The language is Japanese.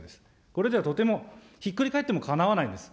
これではとても、ひっくり返ってもかなわないです。